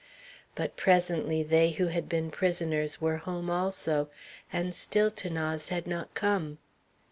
But presently they who had been prisoners were home also, and still 'Thanase had not come.